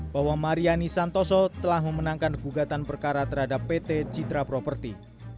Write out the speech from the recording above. bahwa mariani santoso telah memenangkan gugatan perkara terhadap pt citra property